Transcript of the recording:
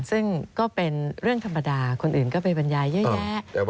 ซึ่งก็เป็นเรื่องธรรมดาคนอื่นก็ไปบรรยายเยอะแยะ